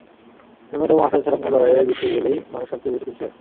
ন্যূনতম আশা ছাড়া কোনো লড়াইয়ে জিতে গেলেই মানুষ সবচেয়ে বেশি খুশি হয়।